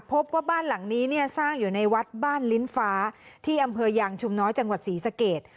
พบว่าบ้านหลังนี้เนี่ยสร้างอยู่ในวัดบ้านลิ้นฟ้าที่อำเภอยางชุมน้อยจังหวัดศรีสเกต